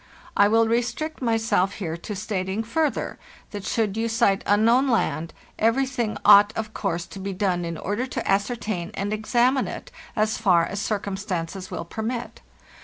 I will restrict myself here to stating, further, that should you sight unknown land, everything ought, of course, to be done in order to ascertain and examine it, as far as cir cumstances will permit.